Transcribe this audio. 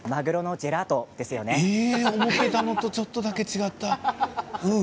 思っていたのとちょっと違った。